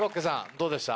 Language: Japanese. どうでした？